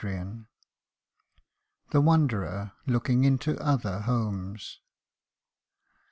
244 THE WANDERER LOOKING INTO OTHER HOMES.